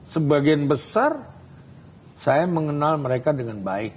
sebagian besar saya mengenal mereka dengan baik